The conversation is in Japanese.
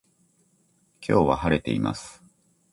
今日は晴れています